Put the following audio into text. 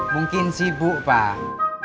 mungkin sibuk pak